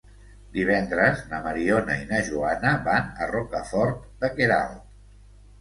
Divendres na Mariona i na Joana van a Rocafort de Queralt.